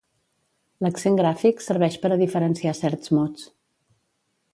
L'accent gràfic serveix per a diferenciar certs mots.